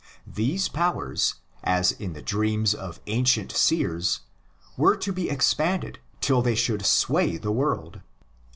These powers, as in the dreams of ancient seers, were to be expanded till they should sway the world.